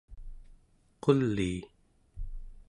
qulii